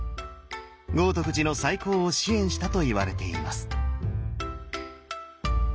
豪徳寺の再興を支援したといわれています。